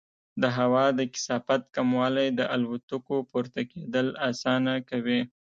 د هوا د کثافت کموالی د الوتکو پورته کېدل اسانه کوي.